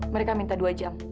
mereka minta dua jam